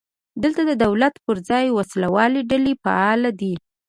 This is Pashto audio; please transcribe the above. دلته د دولت پر ځای وسله والې ډلې فعالې دي.